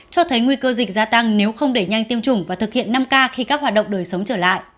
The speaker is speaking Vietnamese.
cho thấy nguy cơ dịch gia tăng nếu không để nhanh tiêm chủng và thực hiện năm k khi các hoạt động đời sống trở lại